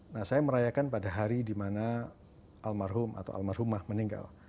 nah saya merayakan pada hari di mana almarhum atau almarhumah meninggal